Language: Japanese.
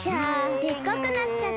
でっかくなっちゃった。